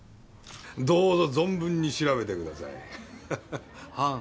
どうぞ存分に調べてくださいはははっ。